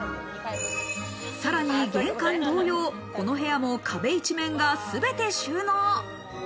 さらに玄関同様、この部屋も壁一面がすべて収納。